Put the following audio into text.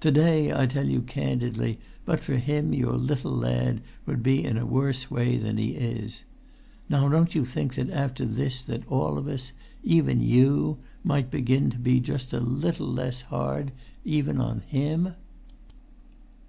To day, I tell you candidly, but for him your little lad would be in a worse way than he is. Now don't you think after this that all of us—even you—might begin to be just a little less hard—even on him?"